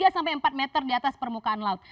tiga sampai empat meter di atas permukaan laut